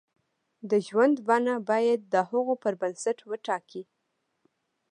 د ژوند بڼه باید د هغو پر بنسټ وټاکي.